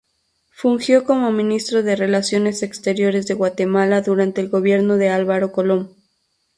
Fungió como ministro de relaciones exteriores de Guatemala durante el gobierno de Álvaro Colom.